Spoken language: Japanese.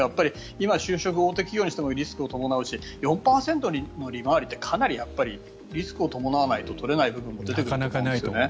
今、就職は大手企業にしてもリスクを伴うし４％の利回りってかなりリスクを伴わないとできない部分はあると思うんですね。